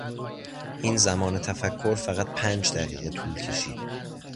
این زمان تفکر فقط پنج دقیقه طول کشید.